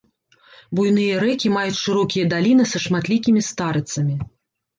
Буйныя рэкі маюць шырокія даліны са шматлікімі старыцамі.